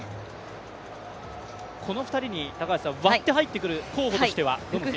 この２人に割って入ってくる候補としてはどの選手でしょうか。